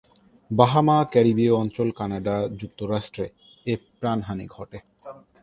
Bahama, ক্যারিবিয় অঞ্চল, Canada, যুক্তরাষ্ট্রে এ প্রাণহানি ঘটে।